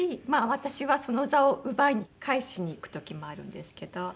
私はその座を奪い返しにいく時もあるんですけど。